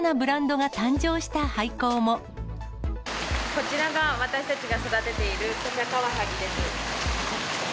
こちらが、私たちが育てているぽちゃかわハギです。